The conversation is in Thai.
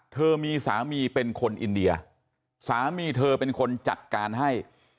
เธอมีสามีเป็นคนอินเดียสามีเธอเป็นคนจัดการให้